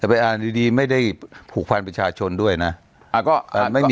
แต่ไปอ่านดีไม่ได้ผูกพันประชาชนด้วยนะ